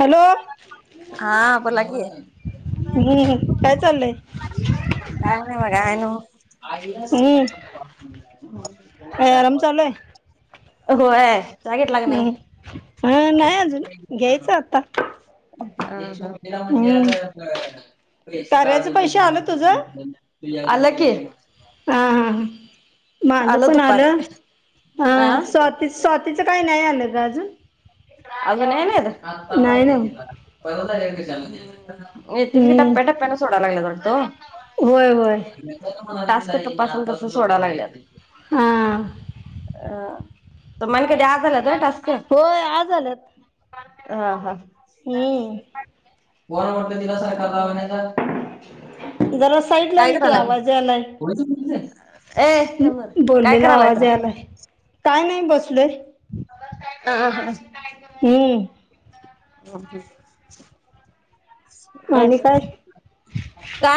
Hello. हा बोला की. हं. काय चाललंय? काय नाही बगा? आहे नव- हम्म काय आराम चालू ए? होय. चहा घेतला का नाही? हा नाही अजून घ्यायचं आता हम्म कार्याचे पैसे आलं तुझं [unintelligible] आला की. हा. हा. माझं पण आलं. हा आ स्वा - -ती स्वातीचं काही नाही आलं ग अजून. अजून नाही आलं? नाही ना हं. येतील की. टप्प्याटप्प्याने सोडायला लागलेत वाटत. व्हय. व्हय. टास्क तपासून तसं सोडायला लागल्यात. हां. अं. तुम्हाला कधी आज आला का टास्क? होय. आज आल्यात. हां. हां. हम्म जरा साईड ला ये की आवाज यायलाय. कुणाचाच [unintelligible] बोललेला आवाज यायलाय. काय नाही बसलोय. ह. हं. हम्म. [unintelligible] आणि काय?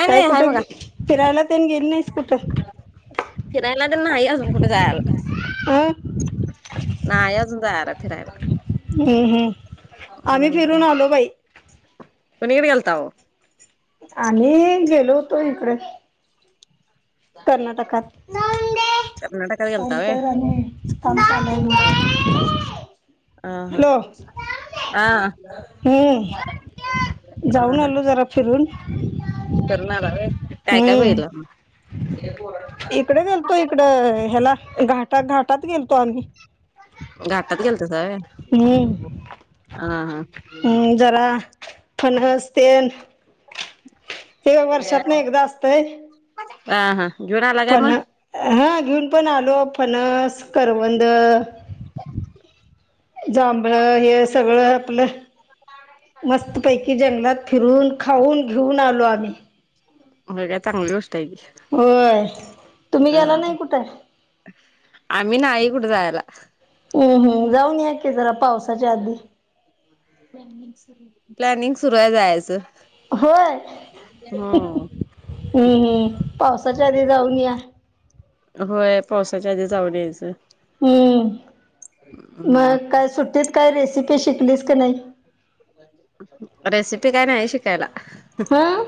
काय नाही हाय कुठं बघा फिरायला तेन गेली नाही स् कुठ? फिरायला त नाही अजून कुठे जायला. का? नाहीय अजून जायला फिरायला. हम्म हम्. आम्ही फिरून आलो बाई. कुणीकड गेलताव? आम्ही गेलो होतो इकड. कर्नाटकात. कर्नाटकात गेलता फोन व्हय कर आणि काम चालू आहे म्हण. हां हां हम्म जाऊन आलो जरा फिरून. करून आला व्हय काय काय हम्म बघितल? इकडे गेलतो इकडं ह्याला. ते घाटात घाटात गेलतो आम्ही. घाटात गेलतात होय. हम्म हम्म जरा फणस तेन. [inaudible] ते वर्षातन एकदा असतय. हां हां घेऊन आला काय मग? हां घेऊन पण आलो फणस करवंद. जांभळ हे सगळ आपल मस्त पैकी जंगलात. फिरून खाऊन घेऊन आलो आम्ही. मग काय चांगली गोष्ट आहे की. होय तुम्ही गेला नाही कुठं आम्ही नाही कुठ जायाला. हम्म हम्म जाऊन या की जरा पावसाच्या आधी. प्लॅनिंग सुरू आहे जायाच. होय हम्म हम्म पावसाच्या आधी जाऊन या. होय पावसाच्या आधी जाऊन यायच. हम्म, मग काय सुट्टीत काय रेसिपी शिकलीस की नाही? रेसिपी काय नाही शिकायला. हं,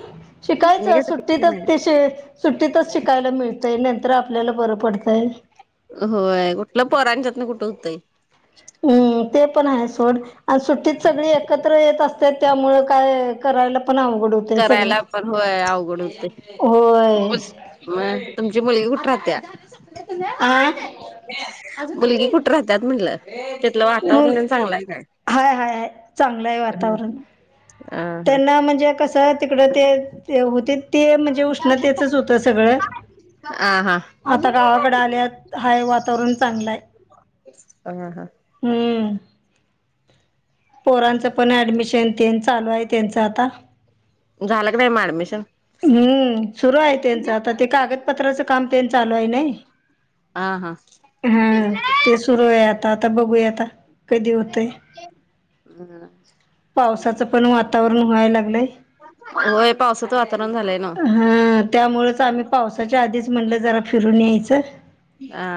शिकायच तुम्ही ते काय शिकला का सुट्टीतच नाही ते शीक. सुट्टीतच शिकायला मिळतय, नाहितर आपल्याला बर पडतय. होय, कुठल पोराच्यात न कुठ होतय. हम्म, ते पण आहे सोड, आणि सुट्टीत सगळी एकत्र येत असत्यात त्यामुळ काय करायला पण अवघड होतय सगळ. करायला पण होय अवघड होतंय. मग, तुमची मुलगी कुठ राहत्या? आ मुलगी कुठ राहतात म्हणल? म हाय हाय हाय, चांगलय वातावरण. अ हा त्यांना म्हणजे कस तिकड ते होते ते, म्हणजे उष्णतेचच होत सगळ. हां हां. आता गावाकड आल्यात, हाय वातावरण चांगलय. हां हां. हम्म, पोरांच पण ऍडमिशन तेन. चालू आहे त्यांच आता. झाल का नाही मग ऍडमिशन? हम्म, सुरू आहे त्यांच, आता ते कागदपत्राच काम तेन चालू आहे नाय. हां हां. ते सुरू आहे आता, आता बघूया आता. कधी होतय, पावसाचं पण वातावरण व्हाय लागलंय. व्हय पावसाचं वातावरण झालंय. नव्ह. हा त्यामुळेच आम्ही पावसाच्या आधीच म्हणलं जरा फिरून यायचं. हा.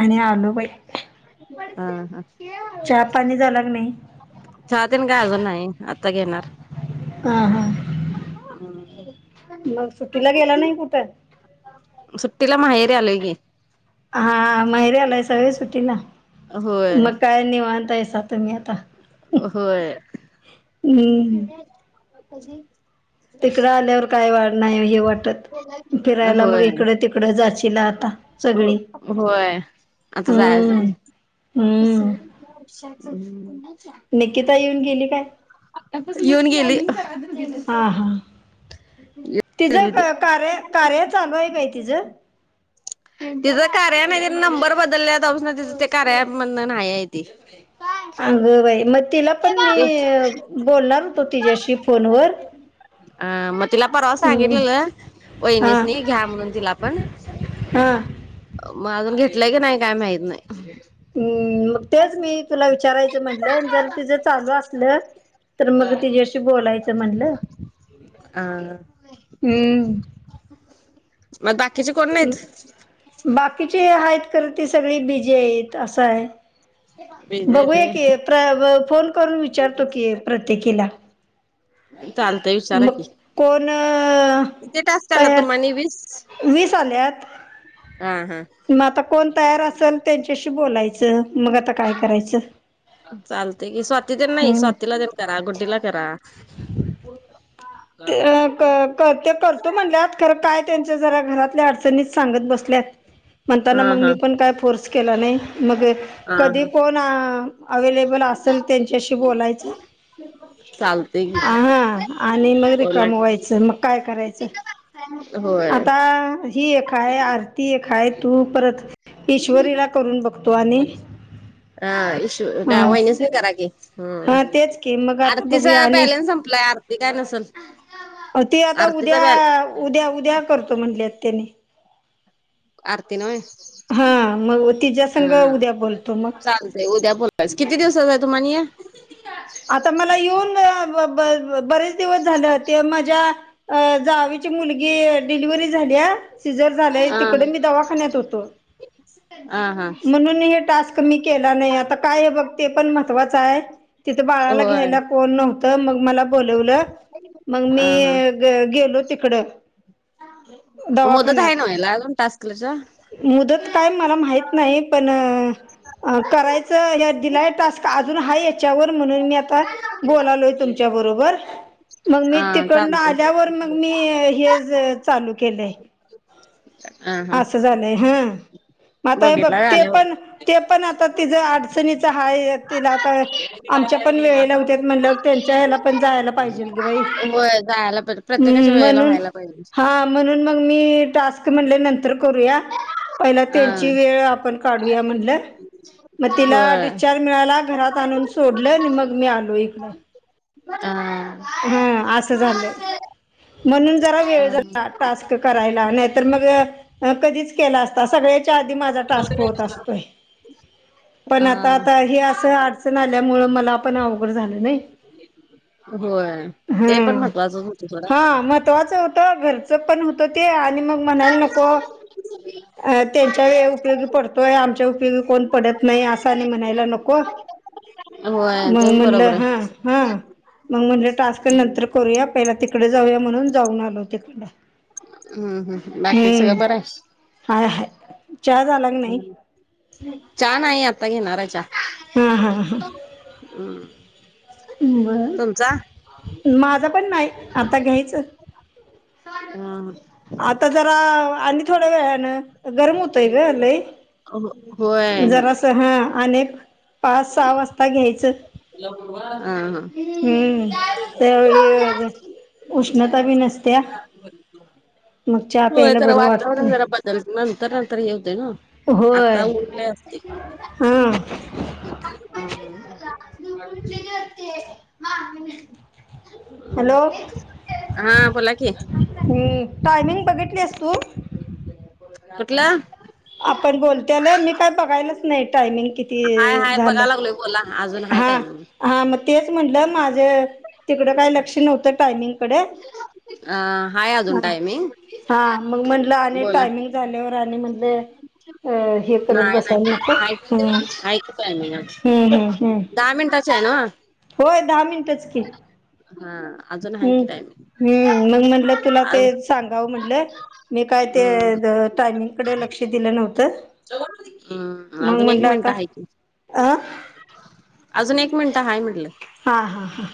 आणि आलो बाई. हा हा. चा पाणी झाला काय नाही? चा तेन काय अजून नाही आत्ता घेणार. हा हा. हा हा. मग सुट्टीला गेला नाही कुठं? सुट्टीला माहेरी आलोय की. हा हा माहेरी आलायसा व्हय सुटीला होय मग काय निवांत हायसा मग तुम्ही आता. होय. हम्म तिकडं आल्यावर काय वाढ नाही हे वाटत, फिरायला मग होय. इकडं तिकडं जाचीला आता. सगळी होय आता जायच हम्म कि. हम्म हम्म... निकिता येऊन गेली काय युन गेली. हा हा.. गेली ती तिचं कार्य कार्या चालु हाय काय तिचं. तिज कार्या नाही तिन नंबर बदल्या पासन तिचं ते कार्या मधनं नाही हाय ती. अगं बाई... मग तिला पण मी ते बोलणार होतो तिच्याशी फोनवर. अ मग तिला परवा हम्म, सांगितलेलं वैनीसनी घ्या म्हणून तिला पण. हां.. मग अजून घेतलंय काय नाही काय माहीत नाही. हम मग तेच मी तुला विचारायचं म्हटलं, जर तिझं चालू असलं तर मग तिच्याशी बोलायचं म्हणलं. हं.. हम्म... मग बाकीची कोण नाहीत. बाकीची हाईत खरं ती सगळी बीजी हाईत असं हाय. विजय बघूया की तू प्र फोन करून विचारतो की प्रत्येकीला. चालतंय विचारा मग की. कोण किेती टास्क आल्यात तयार तुम्हांनी वीस?? वीस आल्यात. हा हा... मग आता कोण तयार असल त्यांच्याशी बोलायचं मग आता काय करायचं चालतयं कि स्वाती तेन नाही हम्म स्वातीला ज करा गुड्डीला करा. ते ते कर तो म्हणल्यात खरं काय तेंच जरा घरातल्या अडचणीच सांगत बसल्यात. म्हणतान हा मग मी हा पण काय फोर्स केला नाही मग हा कधी हा कोण आ अवेलेबल असल त्यांच्याशी बोलायच. चालते आ की हं.. आ णि मग बोला रीकाम की व्हायचं मग काय करायचं. होय. आता ही एक आहे, आरती एक हाय, तू परत ईश्वरीला करून बघतो आणि हा इश हा डा वहिनिसनी करा की. हा हम्म, तेच की मग आता आरती चा बघूया आणि बलेन्स संपलंय आरती काय नसलं. अ ते आता उद्या, उद्या, उद्या करतो म्हटलेत त्याने. आरती ना होय, हा हो मग तिच्या संग उद्या बोलतो मग चालतंय उद्या बोल किती दिवसच आहे तुम्हानी हे? आता मला येऊन बरेच दिवस झालेत. ते माझ्या जावेची मुलगी डिलिव्ही झाल्या शिजर झालं हा तिकडे मी दवाखान्यात होतो. ह हा. म्हणून हे टास्क मी केला नाही आता काय हे बघते पण महवाचं आहे तिथे बाळाला होय घ्यायला कोण नव्हत मग मला बोलवलं मग मी हा हा गेलो तिकड. मुदत आहे ना हो याला अजुन टास्कच? मुदत काय मला माहत नाही पण करायचं हे दिलंय टास्क अजून हा याच्यावर म्हणून मी आता बोलालोय तुमच्या बरोबर. मग मी हा तिकंड चालतय आल्यावर मग मी हे चालू केलंय. हा हा असं झालंय हा. आता हे बघ बघितला व्हय ते आल्यावर पण, ते पण आता तिचं अडचणीच हाय तिला आता आमच्या पण वेळेला होत्यात म्हणल्यावर त्यांच्या ह्याला पण जायला पाहिजेल ग बाई व्हय जायला पाहीजे प्रत्येकाच्या हम्म वेळेला म्हणून व्हायला पाहिजे. हा म्हणून मग मी टास्क म्हणले नंतर करूया. पहिल हा त्यांची वेळ आपण काढूया म्हणलं मग तिला होय डिस्चार्ज मिळाला घरात आणून सो सोडलंय आणि मग मी आलो इकडे. हं. हा असं झालंय म्हणून जरा वेळ झाला टास्क करायला नाहीतर मग कधीच केला अ सगळ्याच्या आधी माझा टास्क होत असतोय पण अ आता, आता हे असं अड अडचण आल्यामुळ मला आपण अवघड झालं नाही. होय ते पण महत्वाचच होत थोड. महत्वाच होत, घरचं पण होत ते आणि मग म्हणायला नको त्यांच्या वेळी उपयोगी पडतो आहे आमच्या उपयोगी कोण पडत नाही असा आणि म्हणायला नको. होय ते म्हणून म्हणलं बरोबर हा आहे हा. मग म्हणलं टास्क नंतर करूया पहिला तिकडे जाऊया म्हणून जाऊन आलो तिकड. हम्म, हम्म बाकी सगळं बरं आहे. हाय, हाय. चहा झाला की नाही चहा नाही आता घेणार आहे चहा. हा हा हां. हम्म. बर तुमचा? माझा पण नाही आता घ्यायचं हा. आता जरा आणि थोड्या वेळान गरम होतय ग लइ. अग होय. जरासं हं. आणि एक पाच सहा वाजता घ्यायचं. हां. हां. हम्म त्यावेळी उष्णता बी नसत्या मग चहा होय. प्यायला जरा बरं वातावरण वाटतंय जरा ब - नंतर नंतर हे होतय ना? होय आत्ता उर- हा [inaudible] [inaudible] हॅलो हां. बोला की. मी, टायमिंग बघितलीएस तू? कुठला? आपण बोलतोया ना मी काय बघायलच नाही टायमिंग किती हाय हाय झालं? बघाय लागलोय बोला अजून हाय हा टाईम. हा. मग तेच म्हटलं माझं तिकडं काही लक्ष नव्हतं टायमिंगकड. अ हाय अजून टायमिंग. हा. मग म्हटलं आणि बोला टायमिंग झाल्यावर आणि म्हणल- अ हे करत नाही नाही बसायला नको. हाय हम्म. हाय की टायमिंग हम्म. हम्म. हम्म. दहा मिनटाच ए ना? होय दहा मिनिटच की. हां. अजून आहे कि टायमिंग. हम्. मग म्हणलं तुला ते आज सांगावं म्हणलं मी काय ते हम्म टायमिंग- -कडे लक्ष दिलं नव्हतं. हं. मग अजून एक म्हटलं मिनटं आता आहे की. अ अजून एक मिनिटं हाय म्हटलं. हा. हा.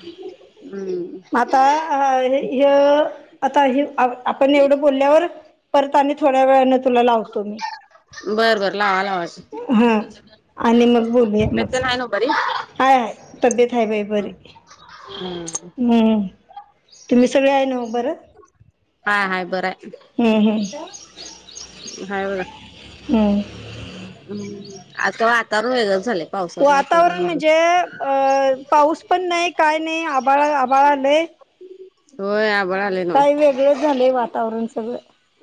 हम्म. म आता अ ह्य, आता आपण एवढं बोलल्यावर- परत आणि थोड्या वेळाने तुला लावतो मी. बरं बरं. लावा लावा. हा आणि मग बोलूया तब्बेत मग तेन आहे ना बरी? हाय हाय तब्येत आहे बाई बरी हम्म. हम्म. तुम्ही सगळे आहे नव्ह बरं? हाय हाय बरंय. हम्म. हाय हम्म. हम्. हम. आजच वातावरण वेगळंच झालंय. पावसाचं वातावरण झालंय. म्हणजे पाऊस पण नाही. काय नाही आभाळ आभाळ आलय. व्हय आभाळ आलय नव्ह. वेगळंच झालंय वातावरण सगळं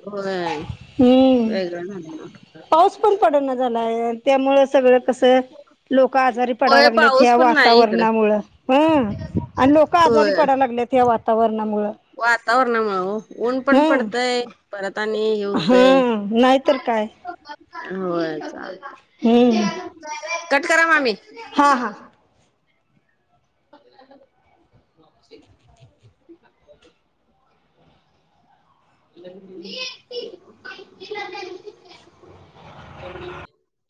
होय. हम्म वेगळं [unintelligible] पाऊस पण पडेना झालाय त्यामुळ सगळं कसं- लोक आजारी पडायला होय लागलेत पाऊस या पण नाही इकडं. वातावरणामुळ. हं. आणि लोक आजारी पडायला लागलेत या वात- -तावरणामुळं. वातावरनमुळं हो. ऊन पण हं पडतंय- परत आणि हे होतय. हं नाहीतर काय होय चा - हम्म. कट करा मामी. हा हा. [unintelligible] [inaudible]